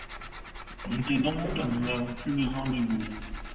Montez donc, nous n'avons plus besoin de vous.